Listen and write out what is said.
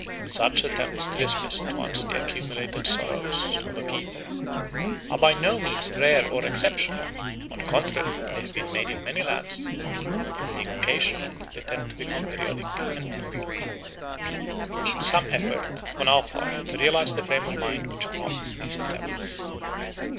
Such attempts to dismiss at once the accumulated sorrows of a people are by no means rare or exceptional; on the contrary they have been made in many lands, and from being occasional they tend to become periodic and annual. It needs some effort on our part to realise the frame of mind which prompts these attempts.